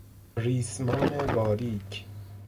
ریسمان باریک